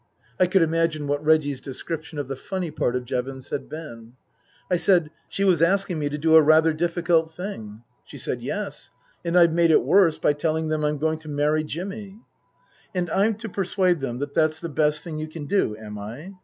(I could imagine what Reggie's description of the funny part of Jevons had been.) I said, she was asking me to do a rather difficult thing. She said, " Yes. And I've made it worse by telling them I'm going to marry Jimmy." " And I'm to persuade them that that's the best thing you can do, am I